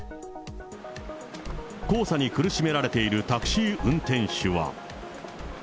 黄砂に苦しめられているタクシー運転手は。